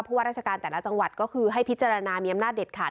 เพราะว่าราชการแต่ละจังหวัดก็คือให้พิจารณามีอำนาจเด็ดขาด